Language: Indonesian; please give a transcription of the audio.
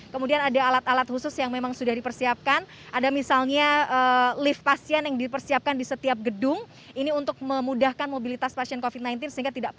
kemudian ada alat alat khusus yang memang sudah dipersiapkan ada misalnya lift pasien yang dipersiapkan di setiap gedung ini untuk memudahkan mobilitas pasien covid sembilan belas